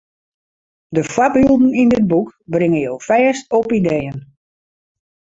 De foarbylden yn dit boek bringe jo fêst op ideeën.